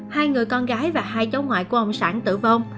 hai người con gái và hai cháu ngoại của ông sản tử vong